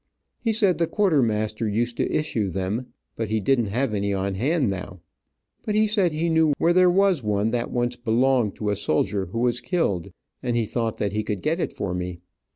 He said the quartermaster used to issue them, but he didn't have any on hand now, but he said he knew where there was one that once belonged to a soldier who was killed, and he thought he could get it for me.